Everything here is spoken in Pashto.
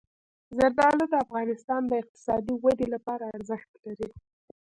زردالو د افغانستان د اقتصادي ودې لپاره ارزښت لري.